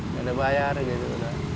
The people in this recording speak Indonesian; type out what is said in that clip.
nggak kebayar gitu